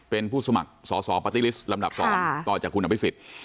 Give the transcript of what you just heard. เป็นผู้สมัครส่อ๒ปาติฬิสต์ลำดับสองค่ะกอดจากคุณอวิสิธิ์